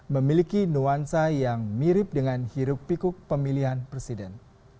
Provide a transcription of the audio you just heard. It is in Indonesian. memiliki nuansa yang mirip dengan hiruk pikuk pemilihan presiden